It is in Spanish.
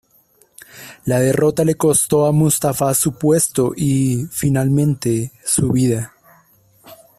La derrota le costó a Mustafa su puesto y, finalmente, su vida.